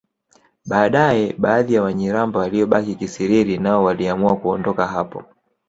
Baadaye baadhi ya Wanyiramba waliobaki Kisiriri nao waliamua kuondoka hapo